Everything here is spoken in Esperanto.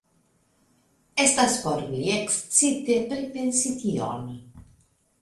Estas por mi ekscite pripensi tion.